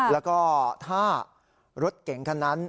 แล้วก็ถ้ารถเก่งคันนั้น